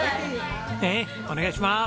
ねえお願いします！